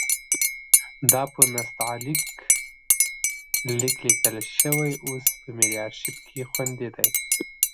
دا په نستعلیق لیک لیکل شوی اوس په ملي ارشیف کې خوندي دی.